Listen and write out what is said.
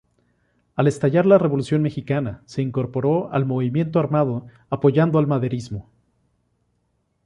Al estallar la Revolución mexicana se incorporó al movimiento armado apoyando el maderismo.